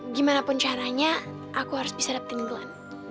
gimanapun caranya aku harus bisa dapetin glenn